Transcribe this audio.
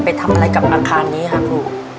ไปทำอะไรกับอาคารนี้ค่ะครู